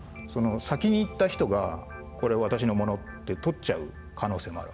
先に行った人がこれは私のものって取っちゃう可能性もあるわけですよね。